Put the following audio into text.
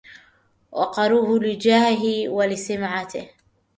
وقروه لجاهه ولسمته